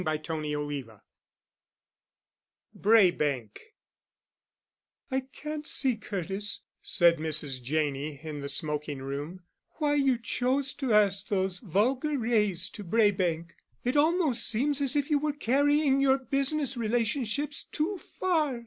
*CHAPTER VII* *BRAEBANK* "I can't see, Curtis," said Mrs. Janney, in the smoking room, "why you chose to ask those vulgar Wrays to Braebank. It almost seems as if you were carrying your business relationships too far.